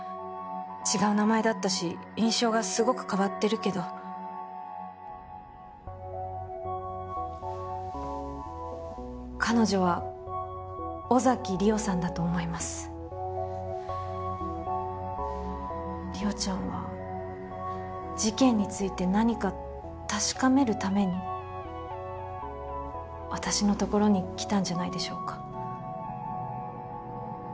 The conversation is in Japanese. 違う名前だったし印象がすごく変わってるけど彼女は尾崎莉桜さんだと思います莉桜ちゃんは事件について何か確かめるために私のところに来たんじゃないでしょうか